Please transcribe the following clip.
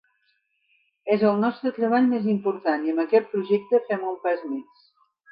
És el nostre treball més important i amb aquest projecte fem un pas més.